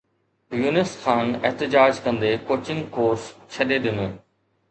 يونس خان احتجاج ڪندي coaching course ڇڏي ڏنو